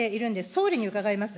総理に伺います。